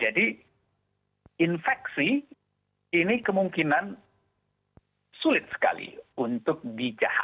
jadi infeksi ini kemungkinan sulit sekali untuk dijaga